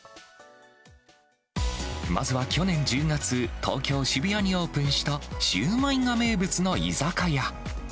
まずは去年１０月、東京・渋谷にオープンした、シューマイが名物の居酒屋。